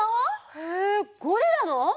へえゴリラの！？